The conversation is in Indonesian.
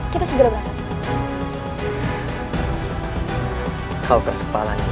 tidak apa apa raden